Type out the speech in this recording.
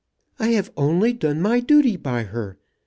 I have only done my duty by her.